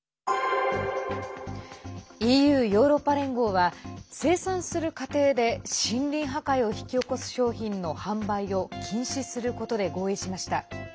ＥＵ＝ヨーロッパ連合は生産する過程で森林破壊を引き起こす商品の販売を禁止することで合意しました。